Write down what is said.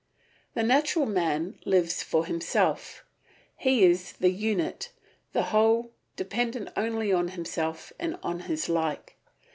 The natural man lives for himself; he is the unit, the whole, dependent only on himself and on his like.